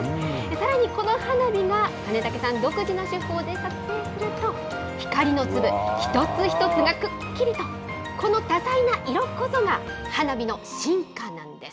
さらにこの花火が、金武さん独自の手法で撮影すると、光の粒、一つ一つがくっきりと、この多彩な色こそが花火の進化なんです。